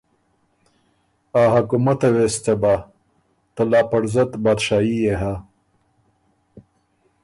ا حکومته وې سو څۀ بَۀ، ته لاپړزت بادشايي يې هۀ